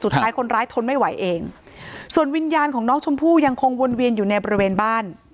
สุดท้ายคนร้ายทนไม่ไหวเองส่วนวิญญาณของน้องชมพู่ยังคงวนเวียนอยู่ในบริเวณบ้าน